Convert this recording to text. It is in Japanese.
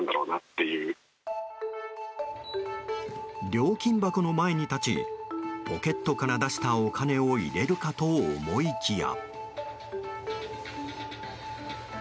料金箱の前に立ちポケットから出したお金を入れるかと思いきや。